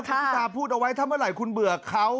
คุณพิธาพูดเอาไว้ถ้าเมื่อไหร่คุณเบื่อเขา